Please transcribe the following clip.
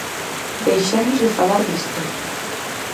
Deixemos de falar disto.